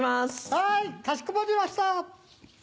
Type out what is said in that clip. はいかしこまりました。